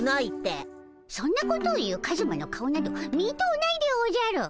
そんなことを言うカズマの顔など見とうないでおじゃる。